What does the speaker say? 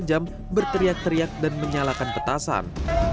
enam jam berteriak teriak dan menyalakan petasan